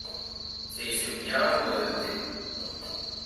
Se desempeñaba como delantero.